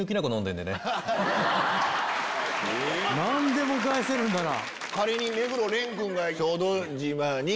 何でも返せるんだなぁ。